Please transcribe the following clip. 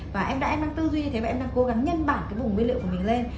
và em đã em đang tư duy như thế và em đang cố gắng nhân bản cái vùng nguyên liệu của mình lên